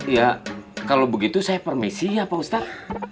ya kalau begitu saya permisi ya pak ustadz